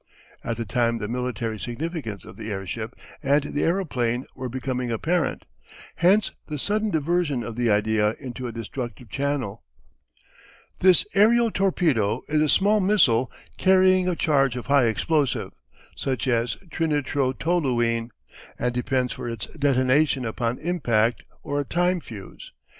At the time the military significance of the airship and the aeroplane were becoming apparent; hence the sudden diversion of the idea into a destructive channel. This aerial torpedo is a small missile carrying a charge of high explosive, such as trinitrotoluene, and depends for its detonation upon impact or a time fuse.